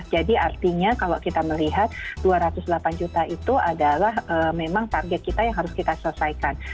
jadi artinya kalau kita melihat dua ratus delapan juta itu adalah memang target kita yang harus kita selesaikan